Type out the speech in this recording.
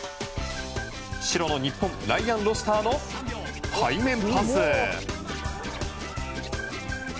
白の日本、ライアン・ロシターの背面パス。